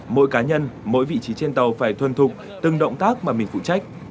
mỗi cá nhân mỗi vị trí trên tàu phải thuần thục từng động tác mà mình phụ trách